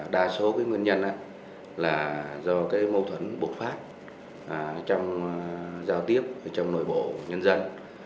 đa số nguyên nhân là do mâu thuẫn bột phát trong giao tiếp trong nội bộ nhân dân